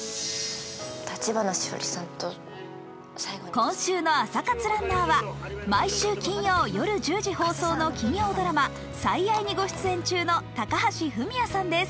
今週の朝活ランナーは毎週金曜夜１０時放送の金曜ドラマ「最愛」にご出演中の高橋文哉さんです。